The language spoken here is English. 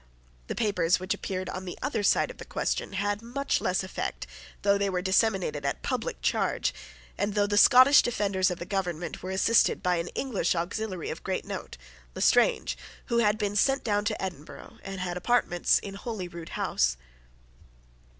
The papers which appeared on the other side of the question had much less effect, though they were disseminated at the public charge, and though the Scottish defenders of the government were assisted by an English auxiliary of great note, Lestrange, who had been sent down to Edinburgh, and had apartments in Holyrood House.